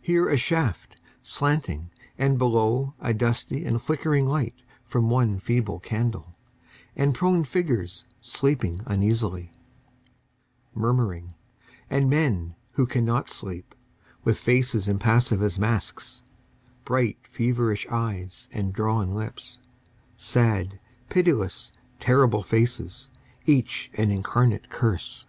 Here a shaft, slanting, and below A dusty and flickering light from one feeble candle And prone figures sleeping uneasily, Murmuring, And men who cannot sleep, With faces impassive as masks, Bright, feverish eyes, and drawn lips, Sad, pitiless, terrible faces, Each an incarnate curse.